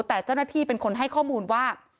แต่เจ้าหน้าที่เป็นคนให้ข้อมูลว่า